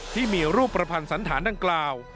ที่มีรูปประพันธ์สันฐานดังกล่าว